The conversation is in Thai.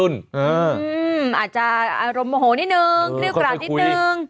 อืมอาจจะอารมณ์โมโหนิดนึงเรียบร้านิดนึง